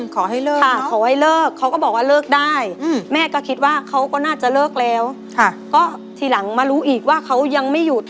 ขอให้เลิกค่ะขอให้เลิกเขาก็บอกว่าเลิกได้แม่ก็คิดว่าเขาก็น่าจะเลิกแล้วก็ทีหลังมารู้อีกว่าเขายังไม่หยุด